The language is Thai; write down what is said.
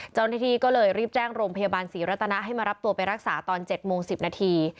เจ้าหน้าที่ก็เลยรีบแจ้งโรงพยาบาลศรีรัตนาให้มารับตัวไปรักษาตอน๗โมง๑๐นาที